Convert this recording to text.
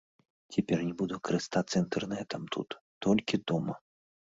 Цяпер не буду карыстацца інтэрнэтам тут, толькі дома.